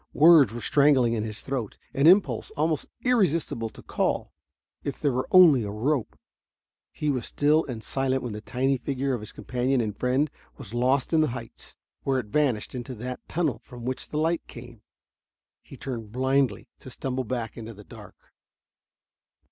Words were strangling in his throat, an impulse, almost irresistible, to call. If there were only a rope.... He was still silent when the tiny figure of his companion and friend was lost in the heights, where it vanished into that tunnel from which came the light. He turned blindly, to stumble back into the dark.